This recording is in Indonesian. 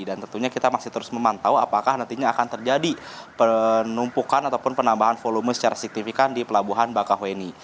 dan tentunya kita masih terus memantau apakah nantinya akan terjadi penumpukan ataupun penambahan volume secara signifikan di pelabuhan bakahueni